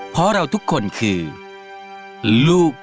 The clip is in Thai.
เพราะเราทุกคนคือลูกของพ่อ